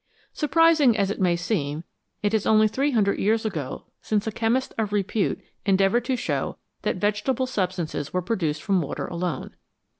Surprising as it may seem, it is only three hundred years ago since a chemist of repute endeavoured to show that vegetable substances were produced from water alone.